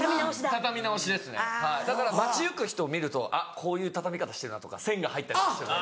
畳み直しですねだから街行く人を見るとあっこういう畳み方してるなとか線が入ったりしてるので。